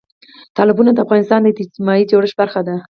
تالابونه د افغانستان د اجتماعي جوړښت برخه ده.